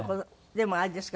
でもあれですか？